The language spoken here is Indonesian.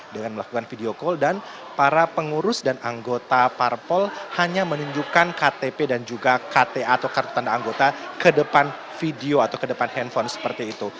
dan melakukan video call dan para pengurus dan anggota parpol hanya menunjukkan ktp dan juga kta atau kartu tanda anggota ke depan video atau ke depan handphone seperti itu